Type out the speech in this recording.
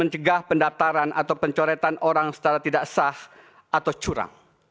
dan mencegah pendaptaran atau pencoretan orang secara tidak sah atau curang